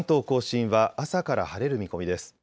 甲信は朝から晴れる見込みです。